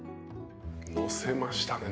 のせましたね